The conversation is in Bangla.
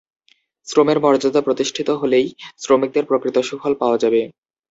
শ্রমের মর্যাদা প্রতিষ্ঠিত হলেই পরিশ্রমের প্রকৃত সুফল পাওয়া যাবে।